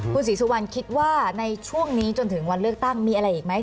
คุณศรีสุวรรณคิดว่าในช่วงนี้จนถึงวันเลือกตั้งมีอะไรอีกไหม